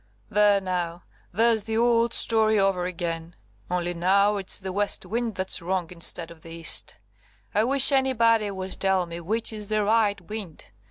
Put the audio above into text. "There, now! There's the old story over again, only now it's the west wind that's wrong instead of the east! I wish anybody would tell me which is the right wind!